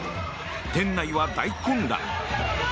店内は大混乱。